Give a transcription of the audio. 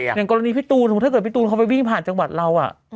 อย่างกรณีพี่ตูนถ้าเกิดพี่ตูนเขาไปวิ่งผ่านจังหวัดเรา